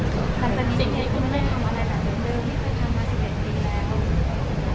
มันเป็นสิ่งที่คุณไม่ได้ทำอะไรแบบเดิมที่คุณทำมาสิ่งแบบนี้แล้ว